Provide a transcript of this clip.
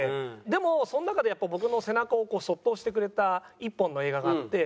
でもその中でやっぱ僕の背中をそっと押してくれた１本の映画があって。